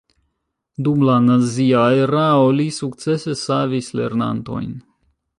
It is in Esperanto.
Dum la nazia erao li sukcese savis lernantojn.